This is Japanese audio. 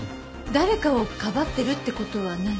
誰かをかばってるって事はない？